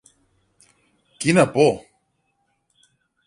Quina por!